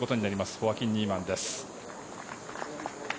ホアキン・ニーマンです。